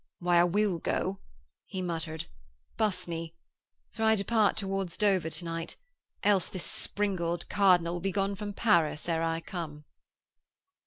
'Why, I will go,' he muttered. 'Buss me. For I depart towards Dover to night, else this springald cardinal will be gone from Paris ere I come.'